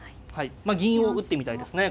銀を打ってみたいですね。